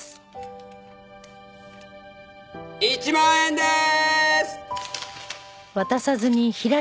１万円でーす！